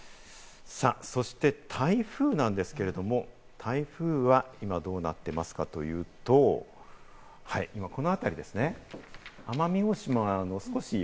そして台風なんですけれども、台風は今どうなっていますかというと、今このあたりですね。